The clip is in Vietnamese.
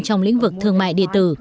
trong lĩnh vực thương mại điện tử